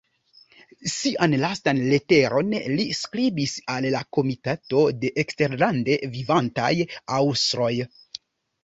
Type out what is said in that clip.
Sian lastan leteron li skribis al la Komitato de Eksterlande Vivantaj Aŭstroj.